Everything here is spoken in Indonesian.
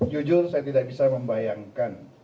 jujur saya tidak bisa membayangkan